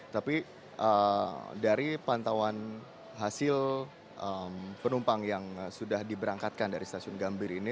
tapi dari pantauan hasil penumpang yang sudah diberangkatkan dari stasiun gambir ini